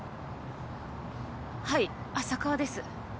はい浅川です。